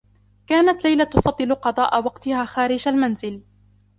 كانت ليلى تفضّل قضاء وقتها خارج المنزل.